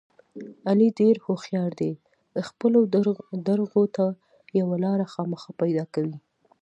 علي ډېر هوښیار دی خپلو درغو ته یوه لاره خامخا پیدا کوي.